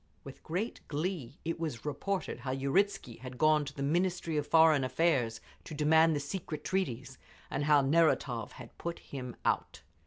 With great glee it was reported how Uritzky had gone to the Ministry of Foreign Affairs to demand the secret treaties, and how Neratov had put him out.